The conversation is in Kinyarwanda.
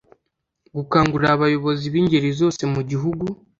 gukangurira abayobozi b'ingeri zose mu gihugu